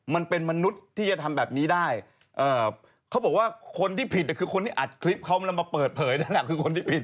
มนุษย์ที่จะทำแบบนี้ได้เขาบอกว่าคนที่ผิดคือคนที่อัดคลิปเขาแล้วมาเปิดเผยนั่นแหละคือคนที่ผิด